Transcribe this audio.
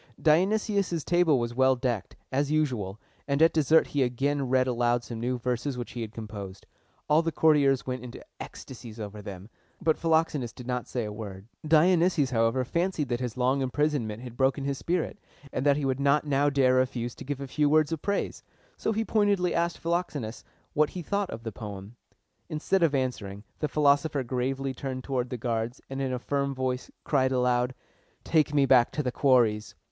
Dionysius' table was well decked, as usual, and at dessert he again read aloud some new verses which he had composed. All the courtiers went into ecstasies over them, but Philoxenus did not say a word. Dionysius, however, fancied that his long imprisonment had broken his spirit, and that he would not now dare refuse to give a few words of praise: so he pointedly asked Philoxenus what he thought of the poem. Instead of answering, the philosopher gravely turned toward the guards, and in a firm voice cried aloud, "Take me back to The Quarries!"